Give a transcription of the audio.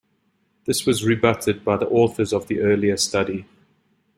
This was rebutted by the authors of the earlier study.